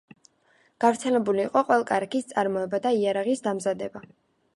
გავრცელებული იყო ყველ-კარაქის წარმოება და იარაღის დამზადება.